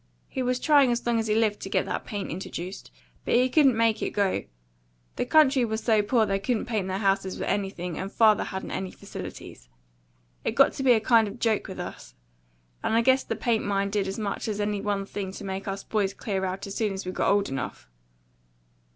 He was trying as long as he lived to get that paint introduced; but he couldn't make it go. The country was so poor they couldn't paint their houses with anything; and father hadn't any facilities. It got to be a kind of joke with us; and I guess that paint mine did as much as any one thing to make us boys clear out as soon as we got old enough.